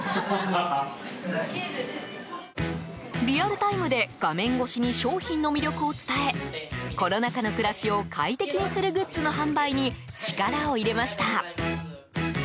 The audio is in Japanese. リアルタイムで画面越しに商品の魅力を伝えコロナ禍の暮らしを快適にするグッズの販売に力を入れました。